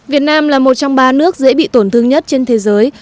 việt nam là một trong ba nước dễ bị tổn thương nhất trên thế giới